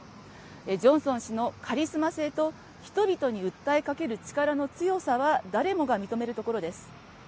ジョンソン氏のカリスマ性と人々に訴えかける力の強さは誰もが認めるところです。